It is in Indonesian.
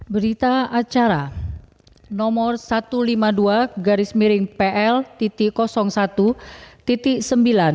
berita acara nomor satu ratus lima puluh dua garis miring pl satu sembilan